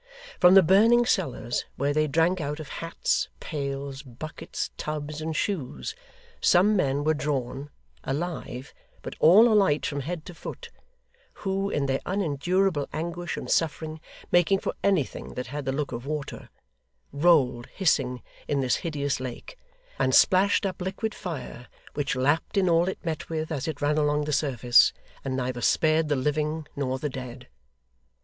From the burning cellars, where they drank out of hats, pails, buckets, tubs, and shoes, some men were drawn, alive, but all alight from head to foot; who, in their unendurable anguish and suffering, making for anything that had the look of water, rolled, hissing, in this hideous lake, and splashed up liquid fire which lapped in all it met with as it ran along the surface, and neither spared the living nor the dead.